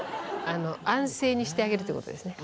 安静にしてあげるということですね。